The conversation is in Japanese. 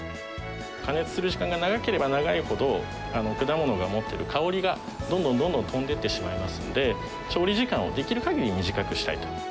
加熱する時間が長ければ長いほど、果物が持ってる香りが、どんどんどんどん飛んでいってしまいますので、調理時間をできるかぎり短くしたい。